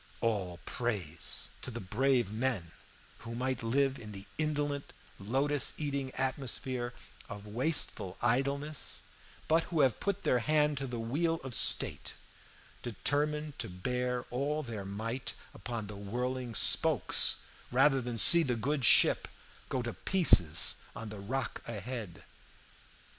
All praise to the brave men who might live in the indolent lotus eating atmosphere of wasteful idleness, but who have put their hand to the wheel of state, determined to bear all their might upon the whirling spokes rather than see the good ship go to pieces on the rock ahead.